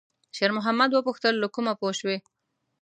شېرمحمد وپوښتل: «له کومه پوه شوې؟»